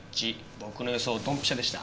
僕の予想ドンピシャでした。